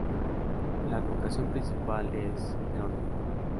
La advocación principal es San Jerónimo.